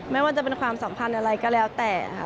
ไม่ว่าจะเป็นความสัมพันธ์อะไรก็แล้วแต่ค่ะ